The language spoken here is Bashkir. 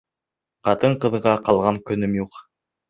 Ҡатын-ҡыҙға ҡалған көнөм юҡ!